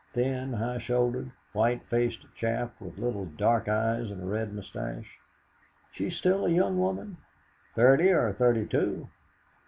Thin, high shouldered, white faced chap, with little dark eyes and a red moustache." "She's still a young woman?" "Thirty or thirty two."